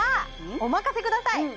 お任せください